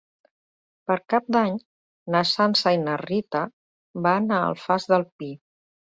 Per Cap d'Any na Sança i na Rita van a l'Alfàs del Pi.